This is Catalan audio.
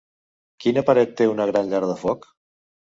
Quina paret té una gran llar de foc?